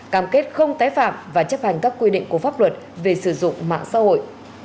cam kết không tái phạm và chấp hành các quy định của pháp luật về sử dụng mạng xã hội